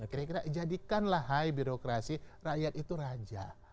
kira kira jadikanlah hai birokrasi rakyat itu raja